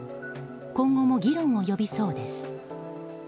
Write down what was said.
今後も議論を呼びそうです。